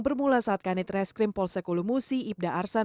bermula saat kanit reskrim polsek ulu musi ibda arsan